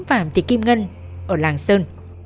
phạm thị kim ngân ở làng sơn